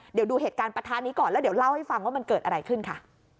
เดี๋ยวดูเหตุการณ์ประทะนี้ก่อนแล้วเดี๋ยวเล่าให้ฟังว่ามันเกิดอะไรขึ้นค่ะ